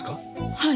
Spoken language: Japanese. はい。